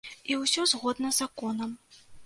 І ўсё згодна з законам.